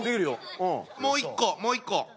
もう一個もう一個。